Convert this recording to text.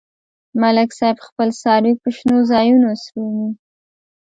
ملک صاحب خپل څاروي په شنو ځایونو څرومي.